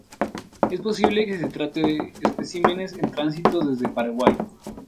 Es posible que se trate de especímenes en tránsito desde Paraguay.